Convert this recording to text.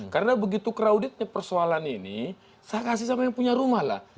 karena begitu crowdednya persoalan ini saya kasih sama yang punya rumah lah